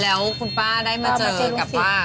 แล้วคุณป้าได้มาเจอกับป้า